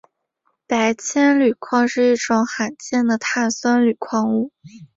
白铅铝矿是一种罕见的碳酸铝矿物。